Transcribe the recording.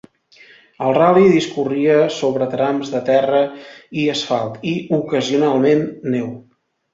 El ral·li discorria sobre trams de terra i asfalt i, ocasionalment, neu.